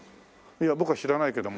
いや僕は知らないけども。